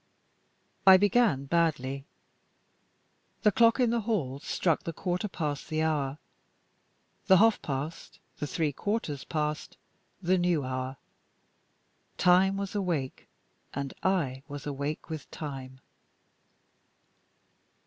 I began badly. The clock in the hall struck the quarter past the hour, the half past, the three quarters past, the new hour. Time was awake and I was awake with Time.